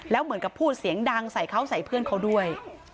แล้วเหมือนกับพูดเสียงดังใส่เขาใส่เพื่อนเขาด้วย